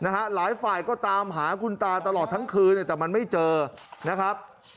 หลายฝ่ายก็ตามหาคุณตาตลอดทั้งคืนแต่มันไม่เจอนะครับ